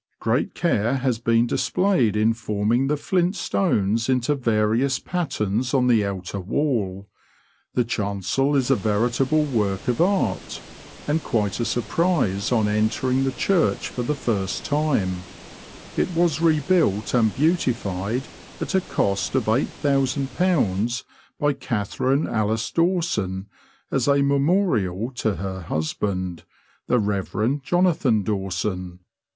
Great care has been displayed in forming the flint stones into various patterns on the outer wall. The chancel is a veritable work of art, and quite a surprise on entering the church for the first time ; it was rebuilt and beautified, at a cost of ;£8ooo, by Catherine Alice Dawson, as a memorial to her husband, the Rev. Jonathan Dawson.